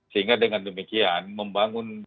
sehingga dengan demikian membangun